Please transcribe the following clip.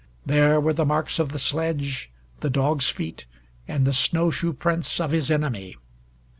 There were the marks of the sledge, the dogs' feet, and the snow shoeprints of his enemy.